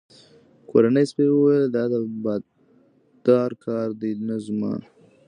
کورني سپي وویل چې دا د بادار کار دی نه زما.